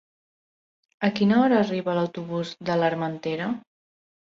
A quina hora arriba l'autobús de l'Armentera?